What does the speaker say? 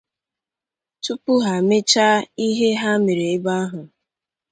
tupu ha mechaa ihe ha mere ebe ahụ